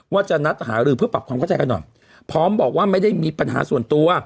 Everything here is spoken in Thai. ว่าจะนัดหารือเพื่อปรับความเข้าใจกันหน่อยพร้อมบอกว่าไม่ได้มีปัญหาส่วนตัว